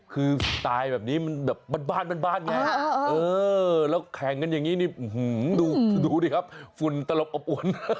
คือสไตล์แบบนี้มันแบบบ้านไงแล้วแข่งกันอย่างนี้นี่ดูดิครับฝุ่นตลบอบอวน